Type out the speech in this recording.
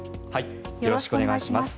よろしくお願いします。